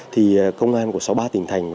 thì công an của sáu mươi ba tỉnh thành